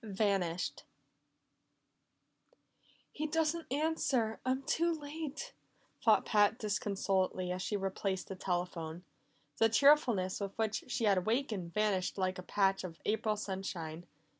18 Vanished "He doesn't answer! I'm too late," thought Pat disconsolately as she replaced the telephone. The cheerfulness with which she had awakened vanished like a patch of April sunshine.